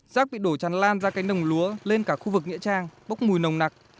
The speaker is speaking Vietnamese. rác bị đổ tràn lan ra cái nồng lúa lên cả khu vực nghĩa trang bốc mùi nồng nặc